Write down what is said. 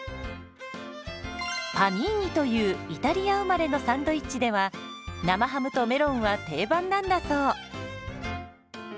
「パニーニ」というイタリア生まれのサンドイッチでは生ハムとメロンは定番なんだそう。